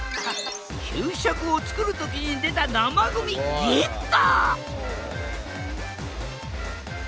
給食を作る時に出た生ゴミゲット！